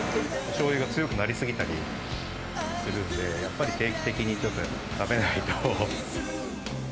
しょうゆが強くなりすぎたりするんで、やっぱり定期的にちょっと食べないと。